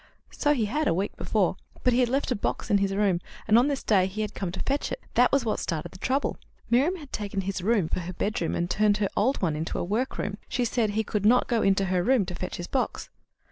"So he had, a week before; but he had left a box in his room, and on this day he had come to fetch it. That was what started the trouble. Miriam had taken his room for her bedroom, and turned her old one into a workroom. She said he should not go to her room to fetch his box."